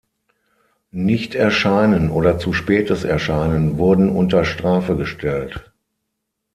Nichterscheinen oder zu spätes Erscheinen wurden unter Strafe gestellt.